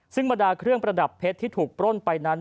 ซึ่งบรรดาเครื่องประดับเพชรที่ถูกปล้นไปนั้น